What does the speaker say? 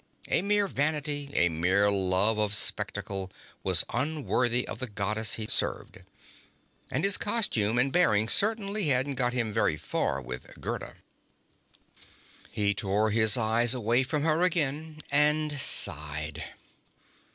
A mere vanity, a mere love of spectacle, was unworthy of the Goddess he served. And his costume and bearing certainly hadn't got him very far with Gerda. He tore his eyes away from her again, and sighed.